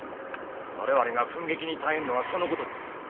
我々が憤激に堪えんのはそのことです。